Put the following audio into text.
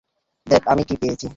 দেখ আমি কি পেয়েছি।